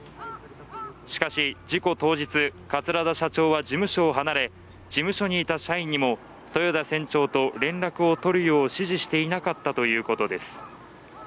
しかし事故当日、桂田社長は事務所を離れ事務所にいた社員にも豊田船長と連絡を取るよう指示していなかったということです